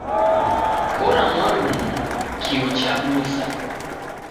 Kora mwalumu kio chabusa